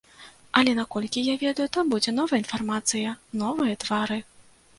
Але наколькі я ведаю, там будзе новая інфармацыя, новыя твары.